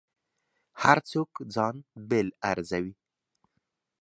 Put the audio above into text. هر څوک ځان بېل ارزوي.